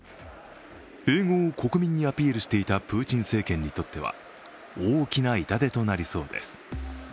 併合を国民にアピールしていたプーチン政権にとっては大きな痛手となりそうです。